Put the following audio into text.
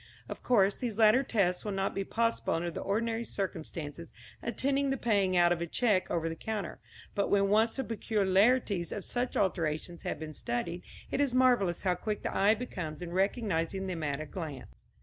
Of course these latter tests will not be possible under the ordinary circumstances attending the paying out of a cheque over the counter, but when once the peculiarities of such alterations have been studied, it is marvellous how quick the eye becomes in recognizing them at a glance.